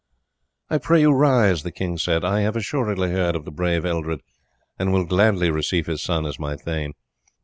"I pray you rise," the king said. "I have assuredly heard of the brave Eldred, and will gladly receive his son as my thane.